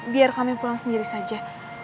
biar kami pulang sendiri saja